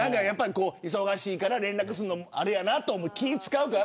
忙しいから連絡するのも気を使うから。